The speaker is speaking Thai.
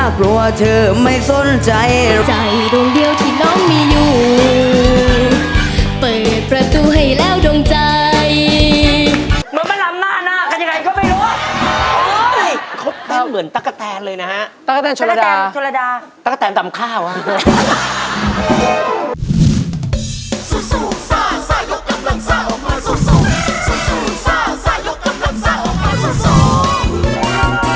เปิดประตูให้แล้วดวงใจ